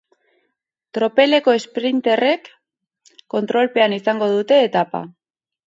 Tropeleko esprinterrek kontrolpean izango dute etapa.